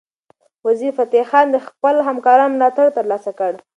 وزیرفتح خان د خپلو همکارانو ملاتړ ترلاسه کړ.